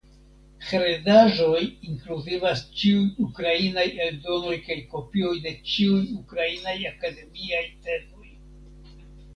Heredaĵoj inkluzivas ĉiuj ukrainaj eldonoj kaj kopioj de ĉiuj ukrainaj akademiaj tezoj.